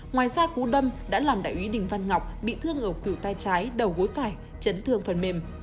ngoài ra cú đâm đã làm đại úy đình văn ngọc bị thương ở khủi tay trái đầu gối phải chấn thương phần mềm